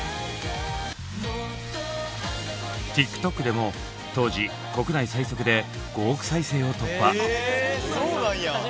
ＴｉｋＴｏｋでも当時国内最速で５億再生を突破。